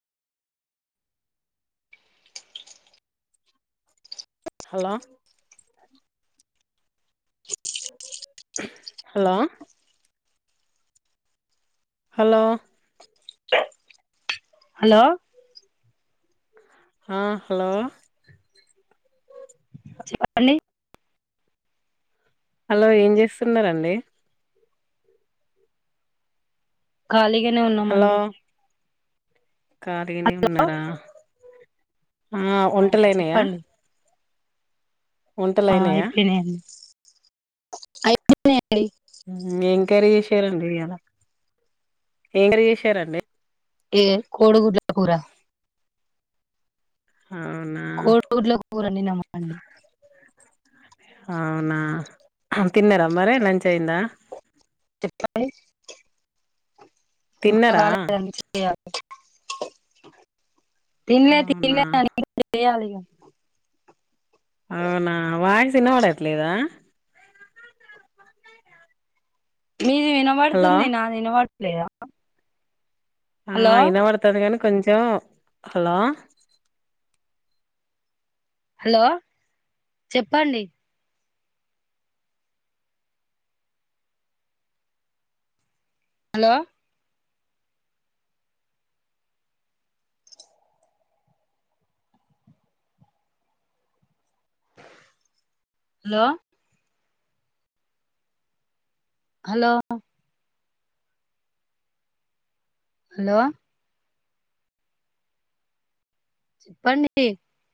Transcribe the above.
Hello hello hello hello హ hello చెప్పళ hello ఏం చేస్తున్నండి ఖాలి నే ఉన్నామండి ఖళీనే ఉన్నారా ఆ వంటలునాయా చెప్పండి వంటలయినాయా అయిపోయండి ఎంకరీ చేసారండి ఇ అలా ఎంకరీ చేసారండి ఏ కోడుగులా కూడారా అవునా కో ఊట్లో పోరండి నమ్ అండి అవునా, తిన్నరా మరి? లంచ్ అయిందా? కాలేజ్ ఇంకా తిన్నారా రాలేదండి, చెక్జేయాలే. తిన్లే అవునా తిన్లే, [unintelligible] చేయాలిగా అవునా? వాయిస్ ఇనపడట్లేదా? మీది హలో వినబడుతుంది, నాది వినబడు లేదా? ఆ ఇనబడ్తది గని కొంచం హలో హలో, చెప్పండి? హలో హలో హలో హలో చెప్పండి?